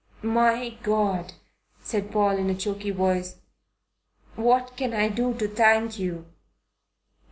"My God!" said Paul in a choky voice. "What can I do to thank you?"